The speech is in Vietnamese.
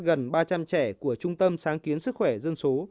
gần ba trăm linh trẻ của trung tâm sáng kiến sức khỏe dân số